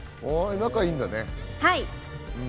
仲いいんだね。